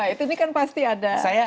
ini kan pasti ada